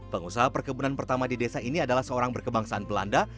pengusaha perkebunan pertama di desa ini adalah seorang berkebangsaan belanda